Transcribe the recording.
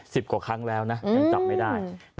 กว่าครั้งแล้วนะยังจับไม่ได้